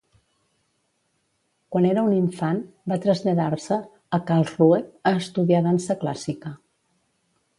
Quan era un infant va traslladar-se a Karlsruhe a estudiar dansa clàssica.